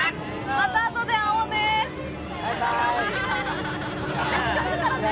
またあとで会おうね。